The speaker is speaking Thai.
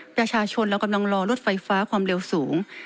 ประชาชนเรากำลังรอรถไฟฟ้าความเร็วสูง